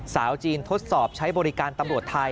สาวจีนทดสอบใช้บริการตำรวจไทย